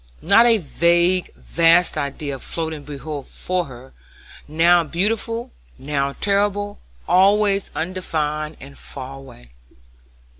Not a vague, vast idea floating before her, now beautiful, now terrible, always undefined and far away.